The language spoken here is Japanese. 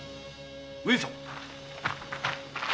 上様。